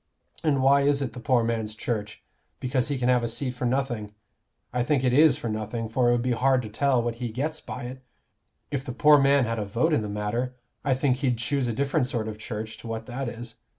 And why is it the poor man's Church? Because he can have a seat for nothing. I think it is for nothing; for it would be hard to tell what he gets by it. If the poor man had a vote in the matter, I think he'd choose a different sort of Church to what that is.